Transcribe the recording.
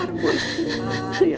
aku akan buat teh hangat ya ibu ya